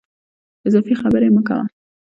اضافي خبري مه کوه !